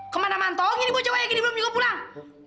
kemana mantong ini bu cowoknya yang belum pulang